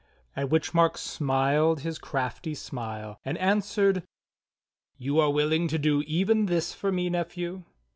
At wdiich Mark smiled his crafty smile, and answered: "You are willing to do even this for me. Nephew.?"